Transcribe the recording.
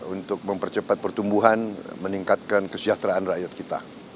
untuk mempercepat pertumbuhan meningkatkan kesejahteraan rakyat kita